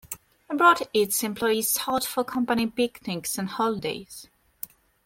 It brought its employees out for company picnics and holidays.